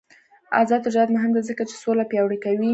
آزاد تجارت مهم دی ځکه چې سوله پیاوړې کوي.